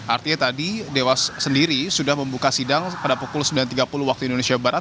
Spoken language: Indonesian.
artinya tadi dewas sendiri sudah membuka sidang pada pukul sembilan tiga puluh waktu indonesia barat